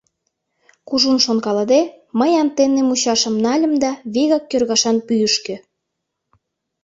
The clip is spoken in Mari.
Кужун шонкалыде, мый антенне мучашым нальым да — вигак кӧргашан пӱйышкӧ.